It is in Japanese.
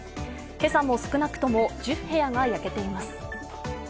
けさも少なくとも１０部屋が焼けています。